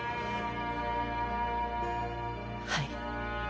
はい。